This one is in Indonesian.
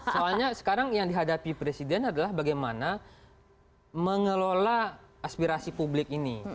soalnya sekarang yang dihadapi presiden adalah bagaimana mengelola aspirasi publik ini